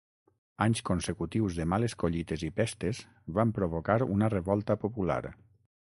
Anys consecutius de males collites i pestes van provocar una revolta popular.